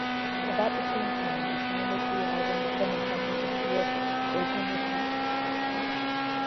About the same time, they signed a three album recording contract with Virgin Records.